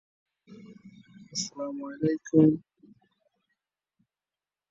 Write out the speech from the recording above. These constables can only serve within the county they are appointed.